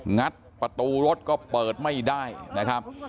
งัดประตูรถก็เปิดไม่ได้นะครับ